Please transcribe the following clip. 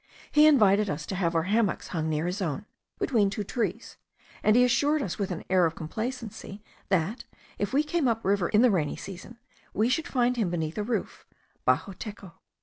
He invited us to have our hammocks hung near his own, between two trees; and he assured us, with an air of complacency, that, if we came up the river in the rainy season, we should find him beneath a roof (baxo techo).